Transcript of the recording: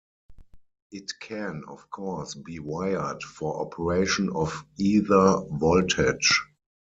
It can, of course, be wired for operation off either voltage.